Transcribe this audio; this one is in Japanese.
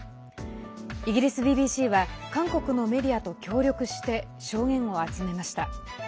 イギリスＢＢＣは韓国のメディアと協力して証言を集めました。